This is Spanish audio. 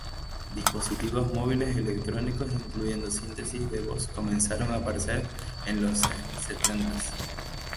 Dispositivos móviles electrónicos incluyendo síntesis de voz comenzaron a aparecer en los setentas.